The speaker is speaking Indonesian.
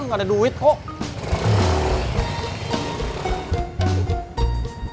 gak ada duit kok